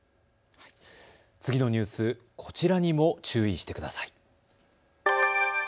次のニュース、こちらにも注意してください。